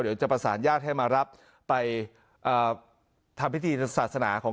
เดี๋ยวจะประสานญาติให้มารับไปทำพิธีศาสนาของ